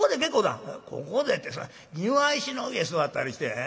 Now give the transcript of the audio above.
「ここでって庭石の上座ったりして。